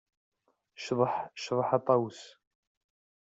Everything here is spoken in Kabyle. Cḍeḥ, cḍeḥ a ṭṭawes.